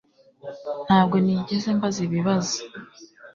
Ntabwo nigeze mbaza ibibazo